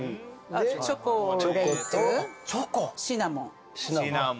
チョコレートシナモン。